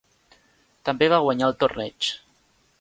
També va guanyar el torneig.